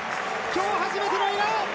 今日、初めての笑顔！